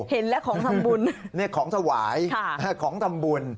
เห็นแล้วของทำบุญของถวายของทำบุญ